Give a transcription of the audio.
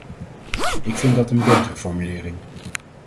Ik vind dat een betere formulering.